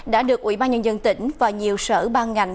đã được ủy ban nhân dân tỉnh và nhiều sở ban ngành